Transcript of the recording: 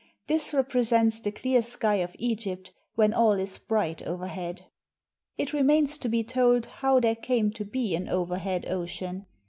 This represents the clear sky of Egypt, when all is bright overhead. It remains to be told how there came to be an over head ocean.